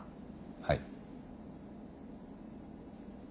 はい。